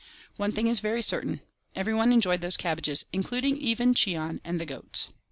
One thing is very certain—everyone enjoyed those cabbages including even Cheon and the goats.